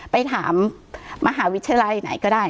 ไปถามมหาวิทยาลัยไหนก็ได้